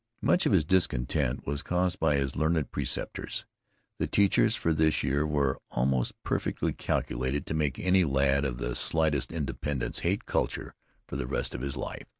Much of his discontent was caused by his learned preceptors. The teachers for this year were almost perfectly calculated to make any lad of the slightest independence hate culture for the rest of his life.